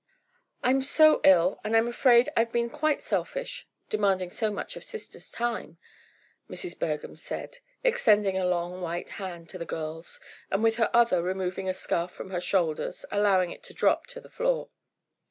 "I'm so ill and I'm afraid I've been quite selfish, demanding so much of sister's time!" Mrs. Bergham said, extending a long white hand to the girls, and with her other removing a scarf from her shoulders, allowing it to drop to the floor.